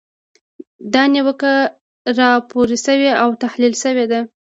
دا نیوکه راپور شوې او تحلیل شوې ده.